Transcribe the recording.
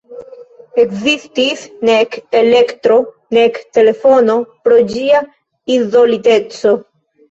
Ekzistis nek elektro nek telefono pro ĝia izoliteco.